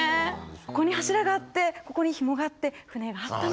ここに柱があってここにヒモがあって船があったのか。